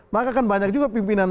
maka kan banyak juga pimpinan